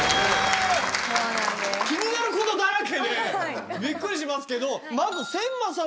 気になることだらけでびっくりしますけど。